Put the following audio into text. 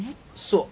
そう。